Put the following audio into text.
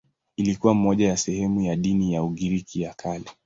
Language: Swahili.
Ilikuwa moja ya sehemu za dini ya Ugiriki ya Kale.